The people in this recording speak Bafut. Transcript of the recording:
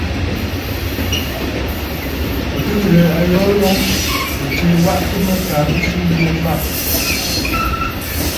Ò tɨ ghɨ̀rə̀ ayoo ya ò tsee kɨ waʼatə mə kaa bɨ sɨ yə mbâ.